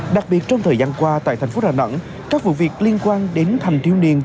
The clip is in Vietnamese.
đặc biệt trong thời gian qua tại thành phố hà nẵng các vụ việc liên quan đến hành thiêu niên